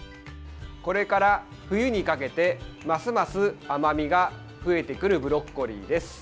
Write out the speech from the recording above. これから冬にかけてますます甘味が増えてくるブロッコリーです。